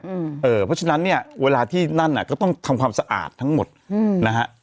เพราะฉะนั้นเนี่ยเวลาที่นั่นน่ะก็ต้องทำความสะอาดทั้งหมดอืมนะฮะ